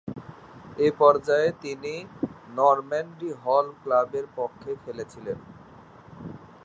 এ পর্যায়ে তিনি Normandy hall ক্লাবের পক্ষে খেলেছিলেন।